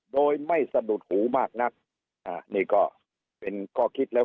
โดยไม่สะดุดหูมากนักนี่ก็เป็นข้อคิดแล้ว